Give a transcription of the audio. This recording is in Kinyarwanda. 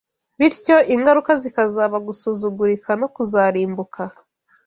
bityo ingaruka zikaba gusuzugurika no kuzarimbuka